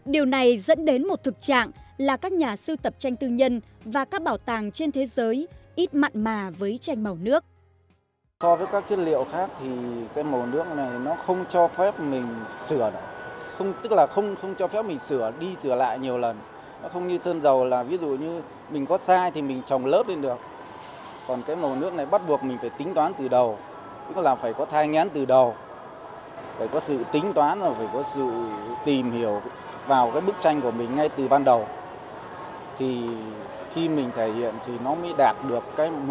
điều này dẫn đến một thực trạng là các nhà sưu tập tranh tư nhân và các bảo tàng trên thế giới ít mặn mà với tranh màu nước